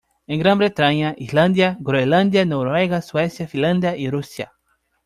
En Gran Bretaña, Islandia, Groenlandia, Noruega, Suecia, Finlandia y Rusia.